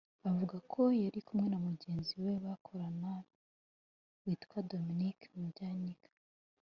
Avuga ko yari kumwe na mugenzi we bakorana witwa Dominic Mubvanyika